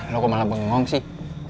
lo kok malah bengong sih